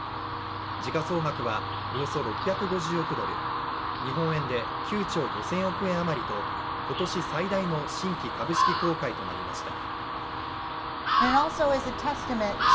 時価総額はおよそ６５０億ドル、日本円で９兆５０００億円余りと今年最大の新規株式公開となりました。